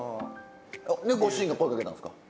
ご主人が声かけたんですか？